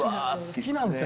好きなんですね